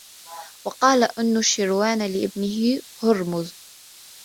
وَقَالَ أَنُوشِرْوَانَ لِابْنِهِ هُرْمُزَ